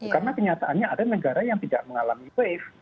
karena kenyataannya ada negara yang tidak mengalami wave